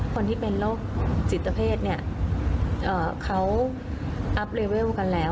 คนที่เป็นโรคจิตเพศเนี่ยเขาอัพเลเวลกันแล้ว